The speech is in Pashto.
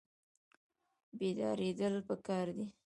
بیداریدل پکار دي